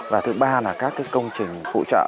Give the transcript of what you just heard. và thứ ba là các công trình phụ trợ